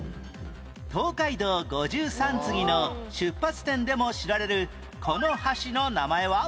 東海道五十三次の出発点でも知られるこの橋の名前は？